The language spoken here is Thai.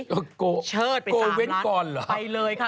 โกโกเว้นก่อนเหรอฮะเชิดไปตามร้านไปเลยค่ะ